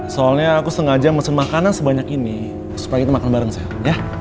soalnya aku sengaja mesen makanan sebanyak ini supaya kita makan bareng saya